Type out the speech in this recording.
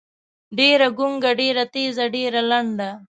ډېــره ګونګــــــه، ډېــره تېــزه، ډېــره لنډه.